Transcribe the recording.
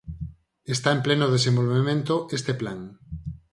Está en pleno desenvolvemento este plan.